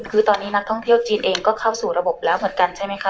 คือตอนนี้นักท่องเที่ยวจีนเองก็เข้าสู่ระบบแล้วเหมือนกันใช่ไหมคะ